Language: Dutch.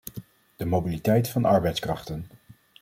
De mobiliteit van arbeidskrachten.